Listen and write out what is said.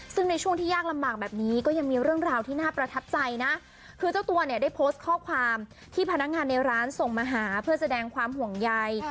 ซึ่งในช่วงที่ยากลำบากแบบนี้ก็ยังมีเรื่องราวที่น่าประทับใจนะคือเจ้าตัวเนี่ยได้โพสต์ข้อความที่พนักงานในร้านส่งมาหาเพื่อแสดงความห่วงใย